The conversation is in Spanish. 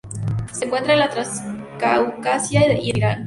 Se encuentra en la Transcaucasia y en Irán.